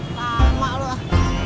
sama lu ah